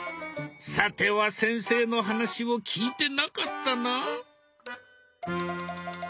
さては先生の話を聞いてなかったな。